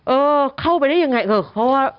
เออเข้าไปได้อย่างไรคือเพราะว่าพิธภัณฑ์ปิด